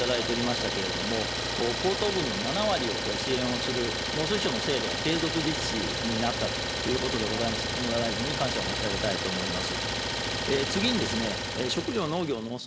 農業水利施設の電気料金の対策については、党でも要望させていただいておりましたけれども、高騰分の７割を支援する農水省の制度は継続実施になったということでございます、野村大臣に感謝を申し上げたいと思います。